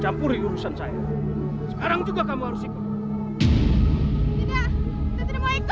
campuri urusan saya sekarang juga kamu harus ikut